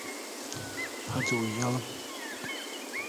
Hadi uyuyalım.